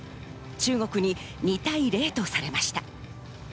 中国に２対０とされました。